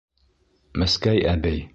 Мәскәй әбей!